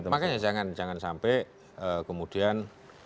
makanya jangan sampai kemudian